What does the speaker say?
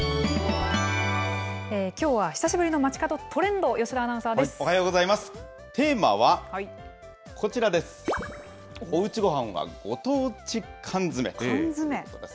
きょうは久しぶりのまちかどトレンド、吉田アナウンサーです。